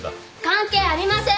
関係ありません！